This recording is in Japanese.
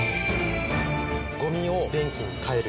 ごみを電気にかえる。